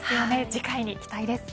次回に期待です。